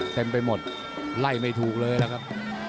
เต็มไปหมดไล่ไม่ถูกเลยล่ะครับ